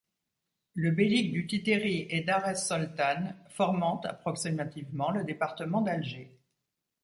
Le beylik du Titteri et Dar Es-Soltane formant, approximativement, le département d'Alger.